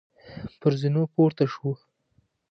پر زینو پورته شوو.